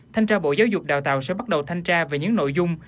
thanh tra bộ giáo dục đào tạo sẽ bắt đầu thanh tra về những nội dung